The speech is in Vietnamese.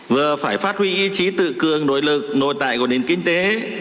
vừa phải phát huy ý chí tự cường nội lực nội tại của nền kinh tế